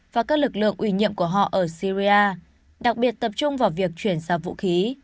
và các lực lượng ủy nhiệm của họ ở syria đặc biệt tập trung vào việc chuyển giao vũ khí